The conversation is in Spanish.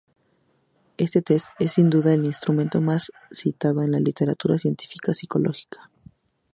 Este test es sin duda el instrumento más citado en la literatura científica psicológica.